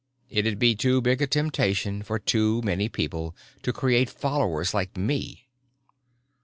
It'd be too big a temptation for too many people, to create followers like me."